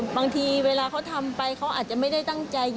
บางทีเวลาเขาทำไปเขาอาจจะไม่ได้ตั้งใจ